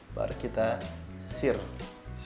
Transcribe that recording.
baru kita siapkan